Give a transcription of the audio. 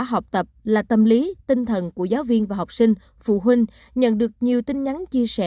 học tập là tâm lý tinh thần của giáo viên và học sinh phụ huynh nhận được nhiều tin nhắn chia sẻ